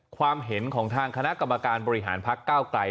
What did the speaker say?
ความเห็นของทางคณะกรรมการบริหารพักเก้าไกล